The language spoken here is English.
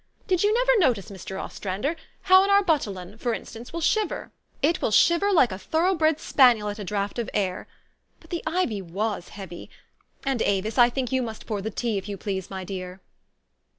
Did you never notice, Mr. Ostrander, how an arbutelon, for instance, will shiver? It will shiver like a thorough bred spaniel at a draught of air. But the ivy was heavy. And Avis, I think you must pour the tea, if you please, my dear."